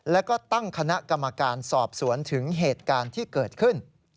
แล้วก็ตั้งคณะกรรมการสอบสวนถึงเหตุการณ์ที่เกิดขึ้น